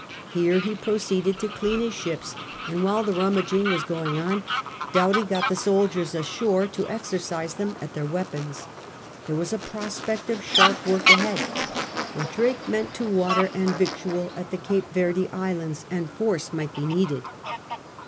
Here he proceeded to clean his ships, and while the rummaging was going on Doughty got the soldiers aahore to exercise them at their weapons. There was a prospect of sharp work ahead, for Drake meant to water and victual at the Cape Yerde Islands, and force might be needed.